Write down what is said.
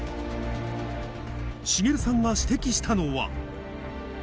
滋さんが指摘したのは。